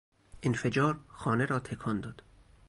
انفجار خانه را تکان داد.